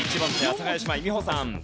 阿佐ヶ谷姉妹美穂さん。